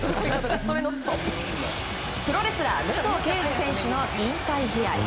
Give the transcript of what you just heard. プロレスラー武藤敬司選手の引退試合。